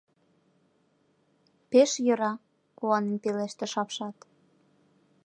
— Пеш йӧра! — куанен пелештыш апшат.